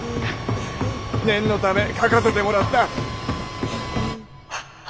念のため書かせてもらった。